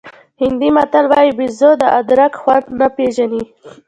هندي متل وایي بېزو د ادرک خوند نه پېژني.